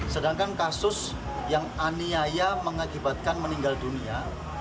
sedangkan kasus yang aniaya mengakibatkan meninggal dunia